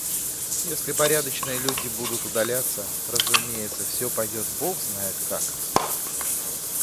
Если порядочные люди будут удаляться, разумеется, всё пойдет Бог знает как.